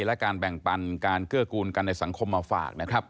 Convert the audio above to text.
และการแบ่งปันการเกื้อกูลกันในสังคมมาฝากนะครับ